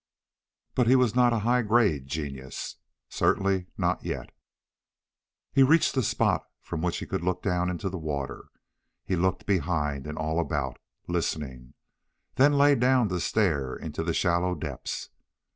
But he was not a high grade genius. Certainly not yet. He reached a spot from which he could look down into the water. He looked behind and all about, listening, then lay down to stare into the shallow depths.